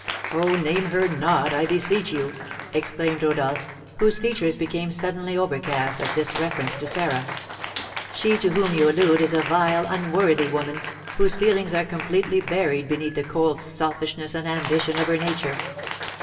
"Oh, name her not, I beseech you!" exclaimed Rodolph, whose features became suddenly overcast at this reference to Sarah. "She to whom you allude is a vile, unworthy woman, whose feelings are completely buried beneath the cold selfishness and ambition of her nature.